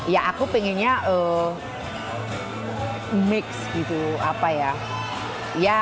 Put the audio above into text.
ya aku pengennya mix gitu apa ya